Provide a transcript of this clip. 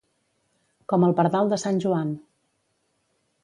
Com el pardal de Sant Joan.